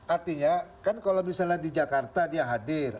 artinya kan kalau misalnya di jakarta dia hadir